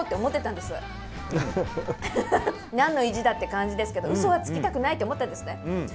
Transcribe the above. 何の意地だって感じですけどうそはつきたくないって思ったんですね。